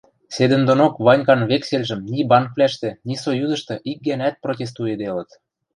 Седӹндонок Ванькан вексельжӹм ни банквлӓштӹ, ни союзышты ик гӓнӓӓт протестуйыделыт.